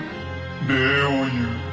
礼を言う。